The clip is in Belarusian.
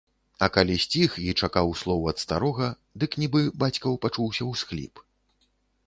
А калі сціх і чакаў слоў ад старога, дык нібы бацькаў пачуўся ўсхліп.